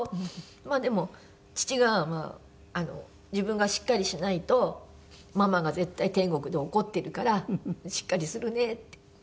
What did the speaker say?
まあでも父が「自分がしっかりしないとママが絶対天国で怒ってるからしっかりするね」って言って。